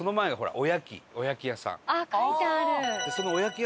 あっ書いてある。